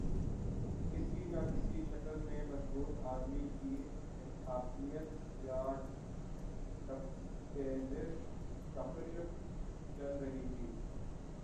کسی نہ کسی شکل میں مضبوط آدمی کی حاکمیت یا ڈکٹیٹرشپ چل رہی تھی۔